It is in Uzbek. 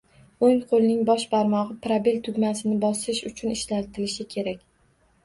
O’ng qo’lning bosh barmog’i probel tugmasini bosich uchun ishlatilishi kerak